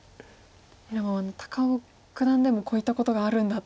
でも高尾九段でもこういったことがあるんだと。